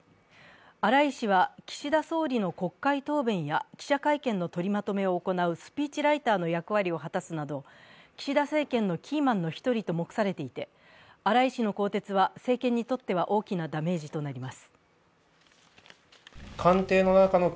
荒井氏は岸田総理の国会答弁や記者会見の取りまとめを行うスピーチライターの役割を果たすなど、岸田政権のキーマンの１人と目されており、荒井氏の更迭は政権にとっては大きなダメージとなります。